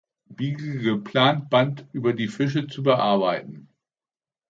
Beagle" geplanten Band über die Fische zu bearbeiten.